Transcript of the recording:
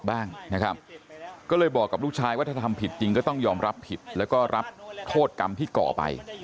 บ้างนะครับก็เลยบอกกับลูกชายว่าถ้าทำผิดจริงก็ต้องยอมรับผิดแล้วก็รับโทษกรรมที่ก่อไป